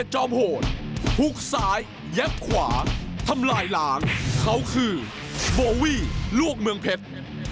ฮุกซ้ายแยกขวาทำลายหลางเขาคือโบวี่ลวกเมืองเพชร